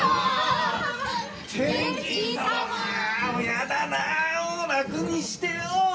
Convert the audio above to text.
やだな楽にしてよ。